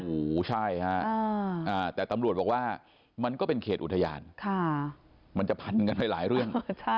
โอ้โหใช่ฮะแต่ตำรวจบอกว่ามันก็เป็นเขตอุทยานมันจะพันกันไปหลายเรื่อง